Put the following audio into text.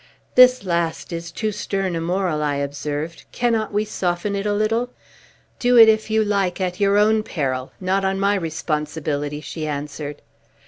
"This last is too stern a moral," I observed. "Cannot we soften it a little?" "Do it if you like, at your own peril, not on my responsibility," she answered.